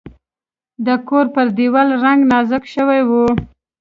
د کور پر دیوال رنګ نازک شوی و.